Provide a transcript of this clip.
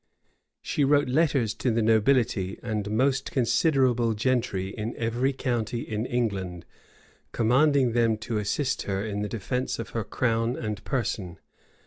She wrote letters to the nobility and most considerable gentry in every county in England; commanding them to assist her in the defence of her crown and person.